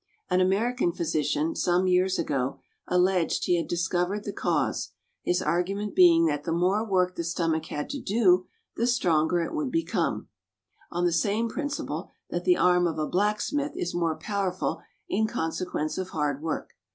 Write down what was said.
An American physician, some years ago, alleged he had discovered the cause, his argument being that the more work the stomach had to do the stronger it would become, on the same principle that the arm of a blacksmith is more powerful in consequence of hard work.